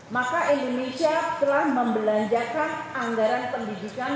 maka indonesia telah membelanjakan anggaran pendidikan